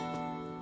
あ。